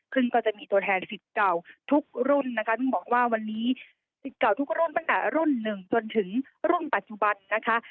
ซึ่งก็จะมีตัวแทนสิทธิ์เก่าทุกรุ่นนะคะต้องบอกว่าวันนี้สิทธิ์เก่าทุกรุ่นตั้งแต่รุ่นหนึ่งจนถึงรุ่นปัจจุบันนะคะ